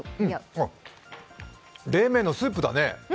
冷麺のスープだね。